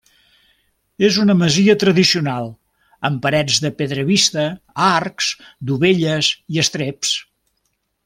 És una masia tradicional, amb parets de pedra vista, arcs, dovelles i estreps.